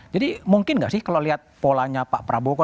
mungkin nggak sih kalau lihat polanya pak prabowo